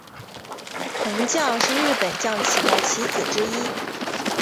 铜将是日本将棋的棋子之一。